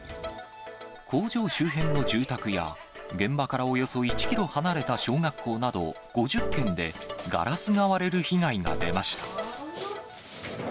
工場周辺の住宅や現場からおよそ１キロ離れた小学校など５０軒でガラスが割れる被害が出ました。